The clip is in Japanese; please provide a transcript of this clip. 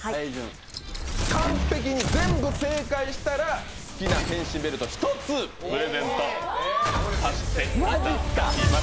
完璧に全部正解したら好きな変身ベルトを１つプレゼントさせていただきます。